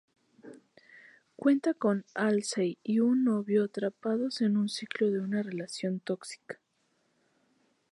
Cuenta con Halsey y un novio atrapados en un ciclo de una relación tóxica.